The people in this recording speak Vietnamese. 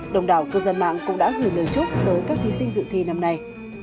đồng đảo cư dân mạng cũng đã gửi lời chúc tới các thí sinh dự thi năm nay